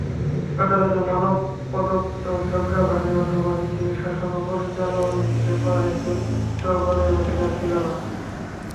সচরাচর মানব-প্রদত্ত যজ্ঞভাগে অথবা পৃথিবীর শাসন ও পরিচালন-ব্যাপারে দৈত্যগণের অধিকার ছিল না।